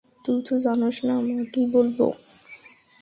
তুই তো জানোস না, মা কী বলবো।